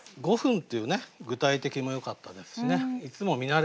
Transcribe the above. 「五分」っていうね具体的もよかったですしねいつも見